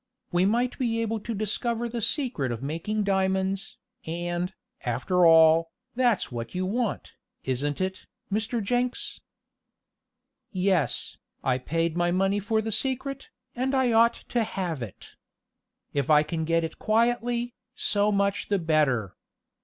We might be able to discover the secret of making diamonds, and, after all, that's what you want, isn't it, Mr. Jenks?" "Yes, I paid my money for the secret, and I ought to have it. If I can get it quietly, so much the better.